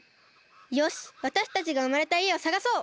よしわたしたちがうまれたいえをさがそう！